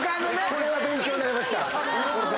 これは勉強になりました。